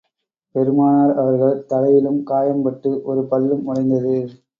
பெருமானார் அவர்கள் தலையிலும் காயம் பட்டு, ஒரு பல்லும் உடைந்தது.